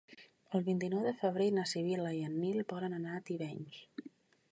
El vint-i-nou de febrer na Sibil·la i en Nil volen anar a Tivenys.